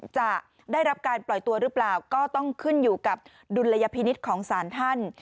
จะได้รับการปล่อยตัวหรือเปล่าก็ต้องขึ้นอยู่กับดุลยพินิษฐ์ของสารท่าน